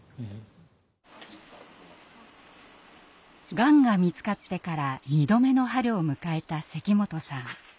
がんが見つかってから２度目の春を迎えた関本さん。